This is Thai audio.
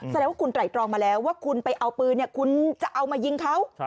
แสดงว่าคุณไตรตรองมาแล้วว่าคุณไปเอาปืนคุณจะเอามายิงเขา